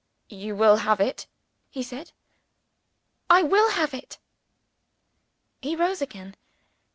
"You will have it?" he said. "I will have it?" He rose again.